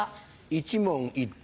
一問一答。